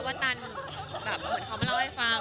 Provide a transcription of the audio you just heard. ว่าตันแบบเหมือนเขามาเล่าให้ฟัง